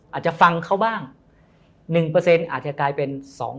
อาจจะฟังเขาบ้าง๑อาจจะกลายเป็น๒๐๐